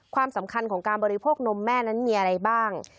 ความสำคัญของการบริโคนมแม่นั้นมีอะไรบ้าง